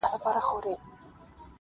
ستا غیبت مي تر هیڅ غوږه نه دی وړی -